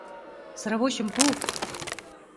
— Сравочым пу!